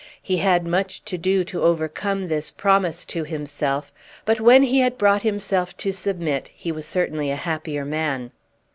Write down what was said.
He had much to do to overcome this promise to himself; but when he had brought himself to submit, he was certainly a happier man.